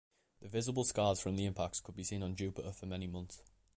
The visible scars from the impacts could be seen on Jupiter for many months.